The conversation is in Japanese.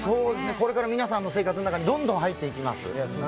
これから皆さんの生活の中にどんどん入っていきます。